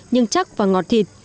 chân chắc và ngọt thịt